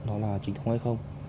nó là trinh thống hay không